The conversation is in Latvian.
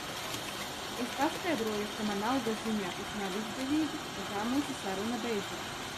Es paskaidroju, ka man algas ziņā tas nav izdevīgi un tā mūsu saruna beidzās.